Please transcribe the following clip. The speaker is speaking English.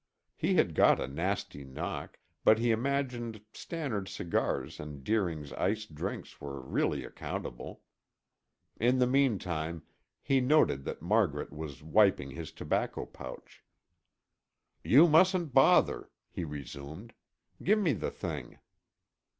He had got a nasty knock, but he imagined Stannard's cigars and Deering's iced drinks were really accountable. In the meantime, he noted that Margaret was wiping his tobacco pouch. "You mustn't bother," he resumed. "Give me the thing."